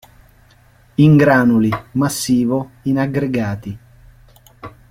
In granuli, massivo, in aggregati.